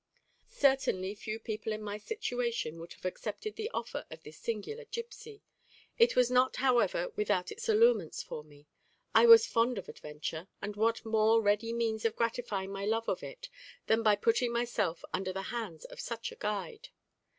Certainly few people in my situation would have accepted the offer of this singular gipsy. It was not, however, without its allurements for me; I was fond of adventure, and what more ready means of gratifying my love of it than by putting myself under the hands of such a guide?